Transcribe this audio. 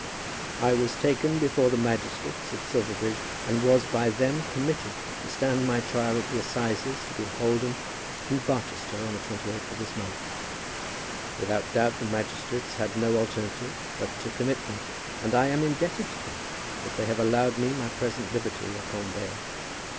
I was taken before the magistrates at Silverbridge, and was by them committed to stand my trial at the assizes to be holden in Barchester on the 28th of this month. Without doubt, the magistrates had no alternative but to commit me, and I am indebted to them that they have allowed me my present liberty upon bail.